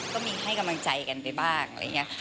ก็มีให้กำลังใจกันไปบ้างอะไรอย่างนี้